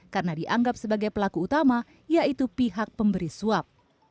karena dianggap sebagai pelaku utama yaitu pihak pemberi suap